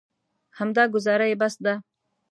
همدا ګوزاره یې بس ده.